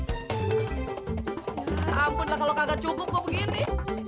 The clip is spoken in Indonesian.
ya ampun lah kalau kaget cukup gua begini